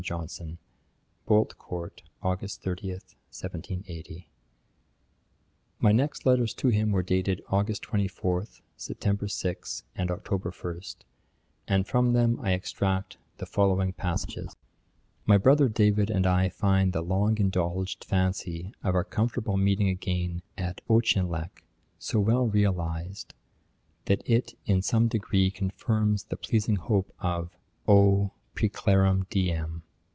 JOHNSON.' 'Bolt court, Aug. 30, 1780.' My next letters to him were dated August 24, September 6, and October 1, and from them I extract the following passages: 'My brother David and I find the long indulged fancy of our comfortable meeting again at Auchinleck, so well realised, that it in some degree confirms the pleasing hope of _O! preclarum diem!